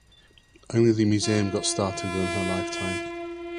Only the museum got started within her lifetime.